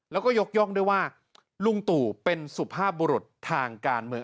แล้วก็ยกย่องด้วยว่าลุงตู่เป็นสุภาพบุรุษทางการเมือง